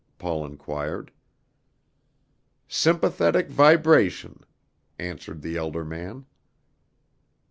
Paul inquired. "Sympathetic vibration," answered the elder man.